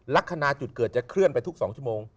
ลักษณะจุดเกิดจะเคลื่อนไปทุก๒ชั่วโมง